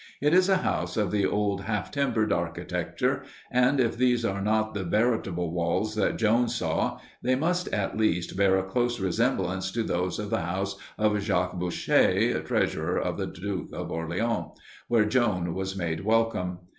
It is a house of the old half timbered architecture, and if these are not the veritable walls that Joan saw, they must, at least, bear a close resemblance to those of the house of Jacques Boucher, treasurer of the Duke of Orleans, where Joan was made welcome.